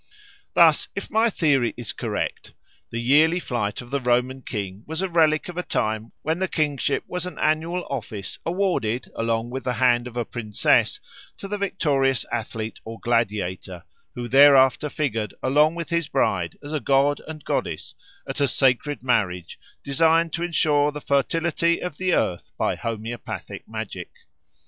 Thus if my theory is correct, the yearly flight of the Roman king was a relic of a time when the kingship was an annual office awarded, along with the hand of a princess, to the victorious athlete or gladiator, who thereafter figured along with his bride as a god and goddess at a sacred marriage designed to ensure the fertility of the earth by homoeopathic magic.